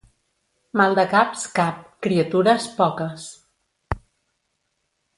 Maldecaps, cap; criatures, poques.